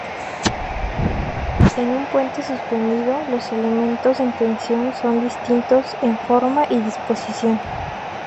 En un puente suspendido, los elementos en tensión son distintos en forma y disposición.